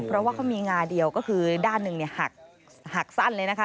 เพราะว่าเขามีงาเดียวก็คือด้านหนึ่งหักสั้นเลยนะคะ